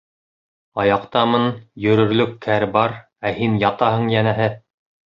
Аяҡтамын, йөрөрлөк кәр бар, ә һин ятаһың, йәнәһе.